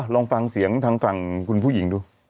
ลองฟังเสียงทางฝั่งคุณผู้หญิงดู